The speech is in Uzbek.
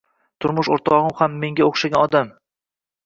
Turmush o‘rtog‘im ham menga o‘xshagan odam.